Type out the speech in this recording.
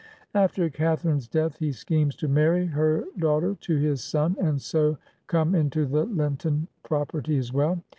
After Catharine's death he schemes to marry her daughter to his son, and so come into the Linton property as well.